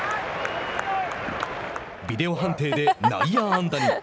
ビデオ判定で内野安打に！